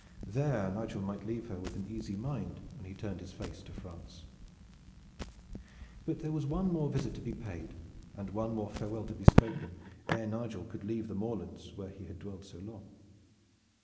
There Nigel might leave her with an easy mind when he turned his face to France. But there was one more visit to be paid and one more farewell to be spoken ere Nigel could leave the moorlands where he had dwelled so long.